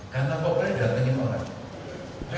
karena populer diantarain orang lain